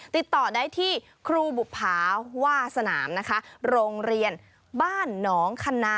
ติดต่อได้ที่ครูบุภาว่าสนามนะคะโรงเรียนบ้านหนองคณา